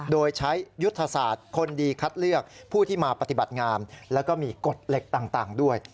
โดยใช้ยุทธศาสตร์คนดีคัดเลือกผู้ที่มาปฏิบัติงามแล้วก็มีกฎเหล็กต่างด้วย